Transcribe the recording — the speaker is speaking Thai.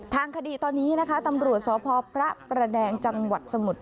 ทางคดีตอนนี้นะคะตำรวจสพพระประแดงจังหวัดสมุทร